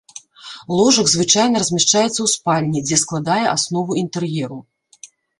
Ложак звычайна размяшчаецца ў спальні, дзе складае аснову інтэр'еру.